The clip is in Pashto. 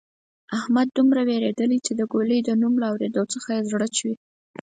احمد دومره وېرېدلۍ چې د ګولۍ د نوم له اورېدو څخه یې زړه چوي.